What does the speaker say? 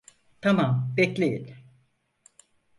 Tamam, bekleyin.